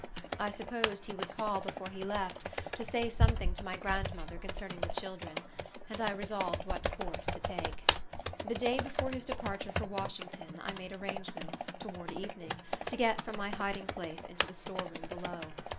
I supposed he would call before he left, to say something to my grandmother concerning the children, and I resolved what course to take. The day before his departure for Washington I made arrangements, toward evening, to get from my hiding place into the storeroom below.